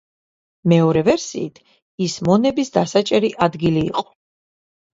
მეორე ვერსიით, ის მონების დასაჭერი ადგილი იყო.